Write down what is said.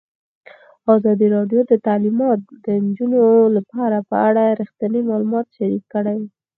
ازادي راډیو د تعلیمات د نجونو لپاره په اړه رښتیني معلومات شریک کړي.